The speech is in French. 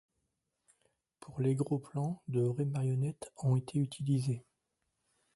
Pour les gros plans, de vraies marionnettes ont été utilisées.